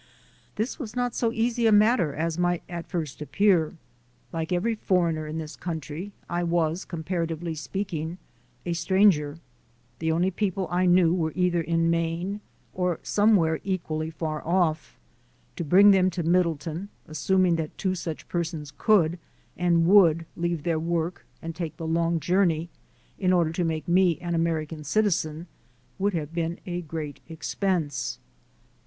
This was not so easy a matter as might at first appear. Like every "for eigner" in this country, I was, comparatively speak ing, a stranger. The only people I knew were either in Maine or somewhere equally far oif ; to bring them to Middletown, assuming that two such persons could and would leave their work and take the long journey in order to make me an American citizen, would have been a great expense.